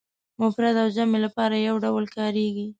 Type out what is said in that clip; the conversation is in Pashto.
د مفرد او جمع لپاره یو ډول کاریږي.